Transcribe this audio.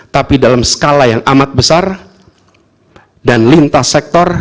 tapi dalam skala yang amat besar dan lintas sektor